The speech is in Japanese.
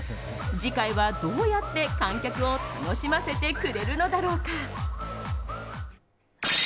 次回は、どうやって観客を楽しませてくれるのだろうか。